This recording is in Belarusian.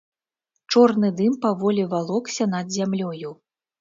Чорны дым паволі валокся над зямлёю.